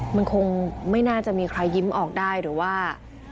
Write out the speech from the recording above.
มันคงไม่น่าจะมีใครยิ้มออกได้หรือว่า